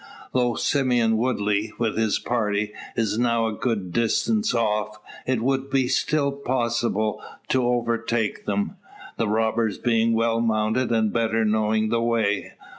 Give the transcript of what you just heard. Though Simeon Woodley, with his party, is now a good distance off, it would still be possible to overtake them, the robbers being well mounted and better knowing the way.